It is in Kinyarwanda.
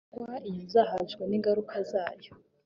cyangwa iyazahajwe n ingaruka zayo